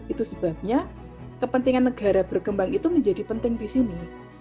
itu sebabnya kepentingan negara berkembang itu menjadi penting di sini